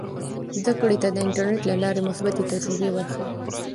زده کړې ته د انټرنیټ له لارې مثبتې تجربې ورښیي.